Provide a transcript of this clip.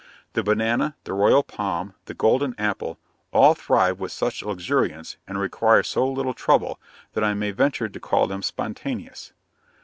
The banana, the royal palm, the golden apple, all thrive with such luxuriance, and require so little trouble, that I may venture to call them spontaneous.